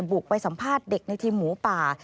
บุกไปสัมภาษณ์เด็กในทีมหมูป่า